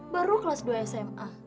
baru kelas dua sma